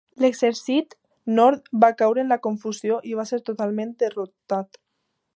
L'exèrcit nord va caure en la confusió i va ser totalment derrotat.